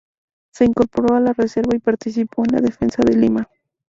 Se incorporó a la reserva y participó en la defensa de Lima.